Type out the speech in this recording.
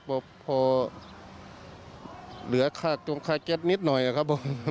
เพราะพอเหลือค่าแก๊สนิดหน่อยครับผม